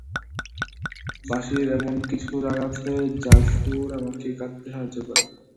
বাঁশির এমন কিছু রাগ আছে, যার সুর আমাকে কাঁদতে সাহায্য করে।